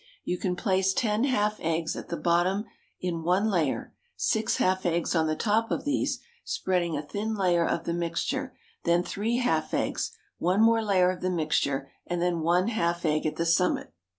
You can place ten half eggs at the bottom in one layer, six half eggs on the top of these, spreading a thin layer of the mixture, then three half eggs, one more layer of the mixture, and then one half egg at the summit.